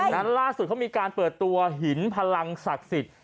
นั้นล่าสุดเขามีการเปิดตัวหินพลังศักดิ์สิทธิ์